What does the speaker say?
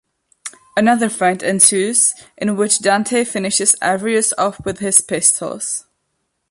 Another fight ensues, in which Dante finishes Arius off with his pistols.